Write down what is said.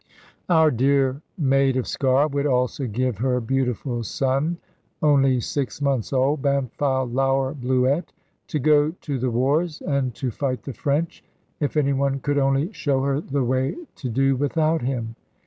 Our dear Maid of Sker would also give her beautiful son, only six months old, Bampfylde Lougher Bluett, to go to the wars, and to fight the French; if any one could only show her the way to do without him.